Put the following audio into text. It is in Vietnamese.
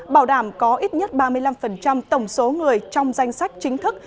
bảo đảm có ít nhất ba mươi năm tổng số người trong danh sách chính thức